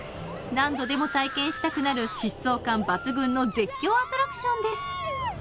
何度でも体験したくなる疾走感抜群の絶叫アトラクションです